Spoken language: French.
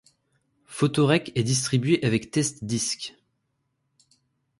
PhotoRec est distribué avec TestDisk.